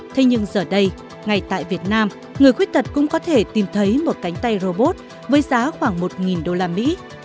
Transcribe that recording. thế nhưng giờ đây ngay tại việt nam người khuyết tật cũng có thể tìm thấy một cánh tay robot với giá khoảng một đô la mỹ